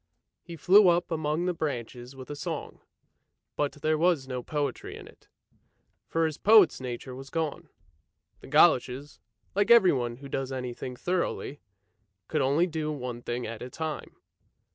He flew up among the branches with a song, but there was no poetry in it, for his poet's nature was gone. The goloshes, like everyone who does any thing thoroughly, could only do one thing at a time.